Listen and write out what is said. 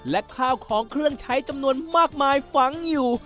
และข้าวของเครื่องใช้จำนวนมากมายฝังอยู่